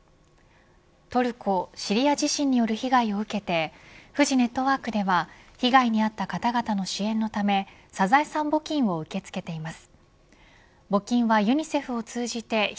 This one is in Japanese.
トルコ・シリア地震による被害を受けてフジネットワークでは被害に遭った方々の支援のためサザエさん募金を受け付けています。